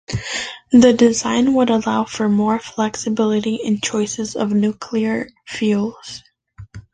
The design would allow for more flexibility in choices of nuclear fuels.